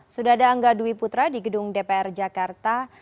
sudada angga dwi putra di gedung dpr jakarta